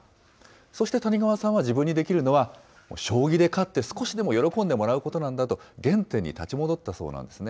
そして谷川さんは自分にできるのは、将棋で勝って、少しでも喜んでもらうことなんだと、原点に立ち戻ったそうなんですね。